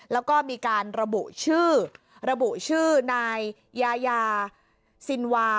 แล้วก็มีการระบุชื่อในยายาซินวา